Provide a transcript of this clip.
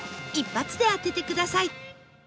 一発で当ててください